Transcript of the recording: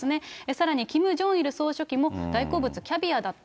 さらにキム・ジョンイル総書記も、大好物キャビアだった。